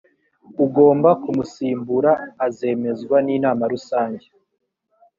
ugomba kumusimbura azemezwa n inama rusange